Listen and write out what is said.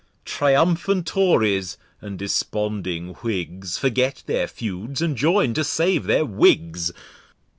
Triumphant Tories, and desponding Whigs, Forget their Fewds, and join to save their Wigs.